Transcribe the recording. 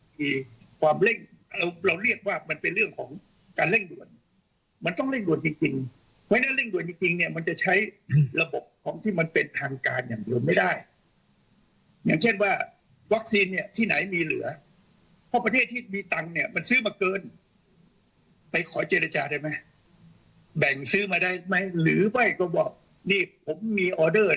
คือความเร่งเราเราเรียกว่ามันเป็นเรื่องของการเร่งด่วนมันต้องเร่งด่วนจริงจริงเพราะฉะนั้นเร่งด่วนจริงจริงเนี่ยมันจะใช้ระบบของที่มันเป็นทางการอย่างเดียวไม่ได้อย่างเช่นว่าวัคซีนเนี่ยที่ไหนมีเหลือเพราะประเทศที่มีตังค์เนี่ยมันซื้อมาเกินไปขอเจรจาได้ไหมแบ่งซื้อมาได้ไหมหรือไม่ก็บอกนี่ผมมีออเดอร์